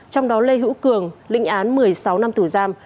trong đó lê hữu cường lĩnh án một mươi sáu năm tủ giam